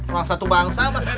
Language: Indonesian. masa itu bangsa sama setan